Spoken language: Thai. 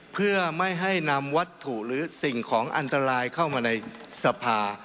เพื่อไม่ให้นำวัตถุหรือสิ่งของอันตรายเข้ามาในสภา